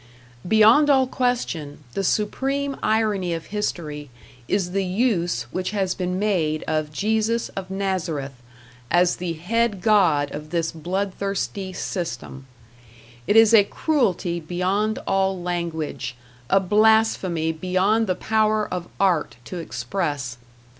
Beyond all question, the supreme irony of history is the use which has been made of Jesus of Nazareth as the Head God of this blood thirsty system; it is a cruelty beyond all language, a blasphemy beyond the power of art to express.